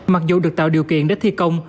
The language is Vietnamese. mặc dù được tạo điều kiện để thi công